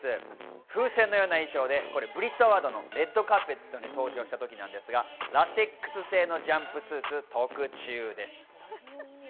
風船のような衣装でブリット・アワードのレッドカーペットに登場したときですが、ラテックス製のジャンプスーツ、特注です。